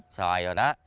xoài rồi đó